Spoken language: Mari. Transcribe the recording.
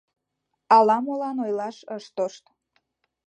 Ала-молан ойлаш ыш тошт.